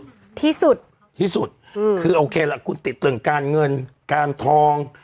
ที่สุดที่สุดอืมคือโอเคล่ะคุณติดเรื่องการเงินการทอง